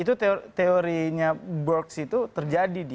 itu teorinya box itu terjadi di